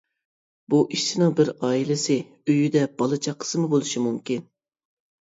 بۇ ئىشچىنىڭ بىر ئائىلىسى، ئۆيىدە بالا-چاقىسىمۇ بولۇشى مۇمكىن.